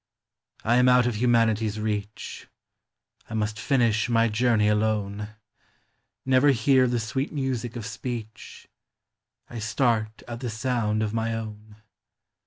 1 am out of humanity's reach ; 1 must finish my journey alone, Never hear the sweet music of speech,— I starl ;it the sound of my own.